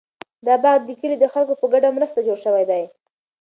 دا باغ د کلي د خلکو په ګډه مرسته جوړ شوی دی.